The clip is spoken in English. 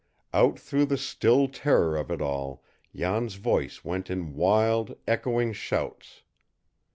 Out through the still terror of it all Jan's voice went in wild, echoing shouts.